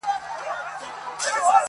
• خو حقيقت نه بدل کيږي تل,